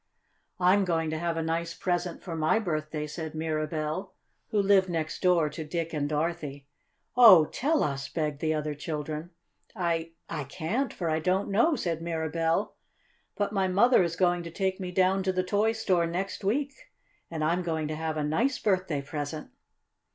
"I'm going to have a nice present for my birthday," said Mirabell, who lived next door to Dick and Dorothy. "Oh, tell us!" begged the other children. "I I can't, for I don't know," said Mirabell. "But my mother is going to take me down to the toy store next week, and I'm going to have a nice birthday present."